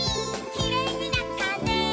「きれいになったね」